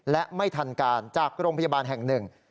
และไม่ทันการจากโรงพยาบาลแห่งหนึ่ง